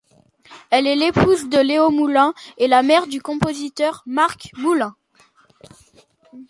Elle est l'épouse de Léo Moulin et la mère du compositeur Marc Moulin.